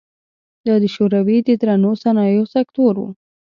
دا د شوروي د درنو صنایعو سکتور و.